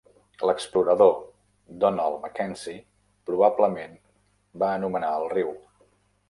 L'explorador Donald Mackenzie probablement va anomenar el riu.